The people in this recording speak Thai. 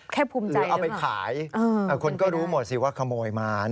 แค่ภูมิใจหรือเปล่า